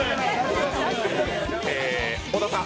小田さん